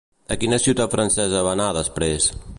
A quina ciutat francesa va anar després?